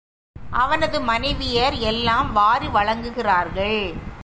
அவனது மனைவியர் எல்லாம் வாரி வழங்குகிறார்கள்.